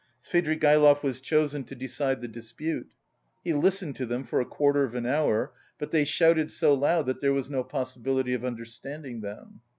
Svidrigaïlov was chosen to decide the dispute. He listened to them for a quarter of an hour, but they shouted so loud that there was no possibility of understanding them.